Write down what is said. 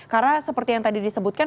karena seperti yang tadi disebutkan